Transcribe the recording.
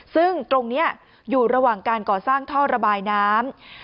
ซึ่งตรงนี้อยู่ระหว่างการก่อสร้างท่อระบายน้ำ